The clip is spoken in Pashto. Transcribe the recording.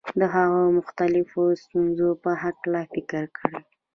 د هغو مختلفو ستونزو په هکله فکر کړی.